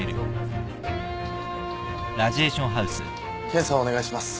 検査お願いします。